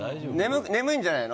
眠いんじゃないの？